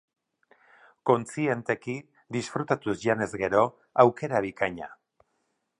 Kontzienteki, disfrutatuz janez gero, aukera bikaina.